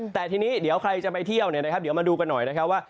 แต่ทีนี้เดี๋ยวใครจะไปเที่ยวมาดูกันหน่อยว่า